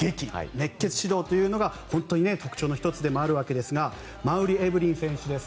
熱血指導というのが特徴の１つでもあるわけですが馬瓜エブリン選手です。